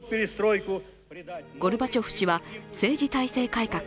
ゴルバチョフ氏は政治体制改革